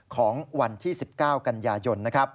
ของวันที่๑๙กันยายน